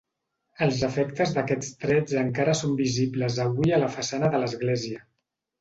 Els efectes d'aquests trets encara són visibles avui a la façana de l'església.